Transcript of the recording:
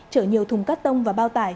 chở nhiều thùng cát tông và bao tải